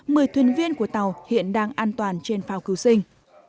mười thuyền viên của tàu hiện đang an toàn trên phao cứu sinh